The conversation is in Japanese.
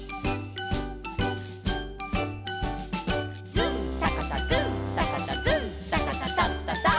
「ズンタカタズンタカタズンタカタタッタッター」